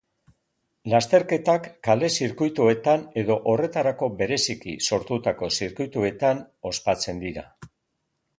Lasterketak kale-zirkuituetan edo horretarako bereziki sortutako zirkuituetan ospatzen dira.